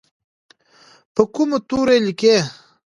په کومو تورو لیکي؟